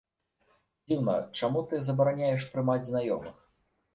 Дзіўна, чаму ты забараняеш прымаць знаёмых?